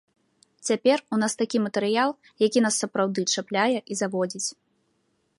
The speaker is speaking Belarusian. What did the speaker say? Цяпер у нас такі матэрыял, які нас сапраўды чапляе і заводзіць.